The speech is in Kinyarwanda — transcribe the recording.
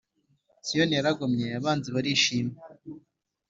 Siyoni yaragomye abanzi barishima